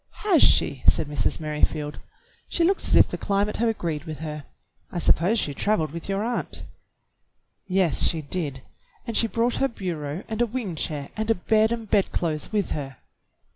"Has she.?" said Mrs. Merrifield. "She looks as if the climate had agreed with her. I suppose she traveled with your aunt." "Yes, she did, and she brought her bureau and a wing chair and a bed and bedclothes with her."